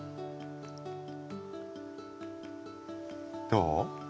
どう？